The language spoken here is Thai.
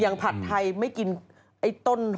ผัดไทยไม่กินไอ้ต้น